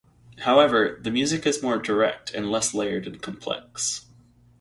However, the music is more direct and less layered and complex.